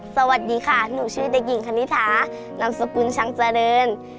สวัสดีค่ะหนูชื่อเด็กหญิงคณิธานามสกุลชังเจริญ